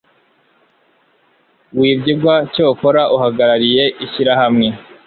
w ibyigwa Cyokora uhagarariye ishyirahamwe